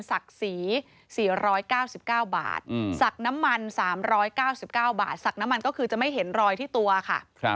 ศักดิ์ศรี๔๙๙บาทศักดิ์น้ำมัน๓๙๙บาทสักน้ำมันก็คือจะไม่เห็นรอยที่ตัวค่ะ